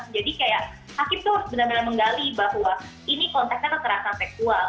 jadi kayak hakim tuh harus benar benar menggali bahwa ini konteksnya keterasan seksual